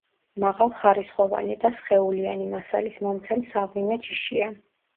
მაღალხარისხოვანი და სხეულიანი მასალის მომცემ საღვინე ჯიშია.